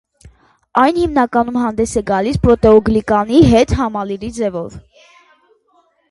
Այն հիմնականում հանդես է գալիս պրոտեոգլիկանի հետ համալիրի ձևով։